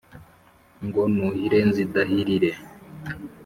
Ngo nuhire nzidahirire